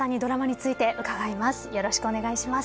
よろしくお願いします。